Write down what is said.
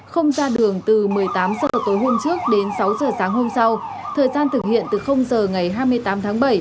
không ra đường từ một mươi tám h tối hôm trước đến sáu h sáng hôm sau thời gian thực hiện từ giờ ngày hai mươi tám tháng bảy